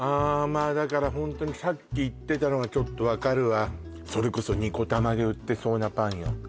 まあだからホントにさっき言ってたのがちょっと分かるわそれこそ二子玉で売ってそうなパンよ